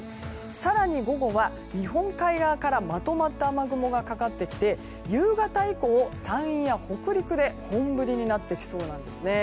更に、午後は日本海側からまとまった雨雲がかかってきて夕方以降、山陰や北陸で本降りになってきそうです。